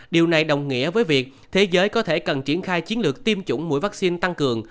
điều này đồng nghĩa với việc thế giới có thể cần triển khai chiến lược tiêm chủng mũi vaccine tăng cường